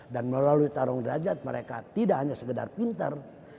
dan melalui tarung derajat mereka tidak hanya segedar pintar